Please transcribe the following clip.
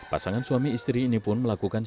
pasangan suami istri ini pun melakukan